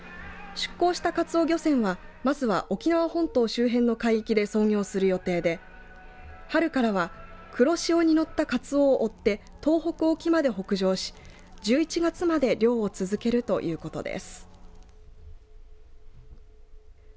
出港したかつお漁船はまずは沖縄本島周辺の海域で操業する予定で春からは黒潮に乗ったかつおを追って東北沖まで北上し１１月まで漁を続けるということです。